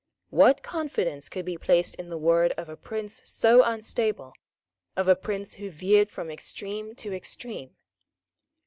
What confidence could be placed in the word of a Prince so unstable, of a Prince who veered from extreme to extreme?